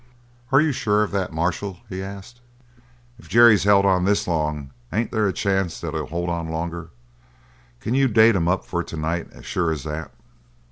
"Are you sure of that, marshal?" he asked. "If Jerry's held on this long ain't there a chance that he'll hold on longer? Can you date him up for to night as sure as that?"